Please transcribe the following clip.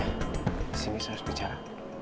di sini saya harus bicara